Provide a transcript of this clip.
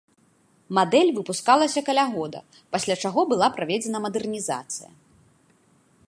Мадэль выпускалася каля года, пасля чаго была праведзена мадэрнізацыя.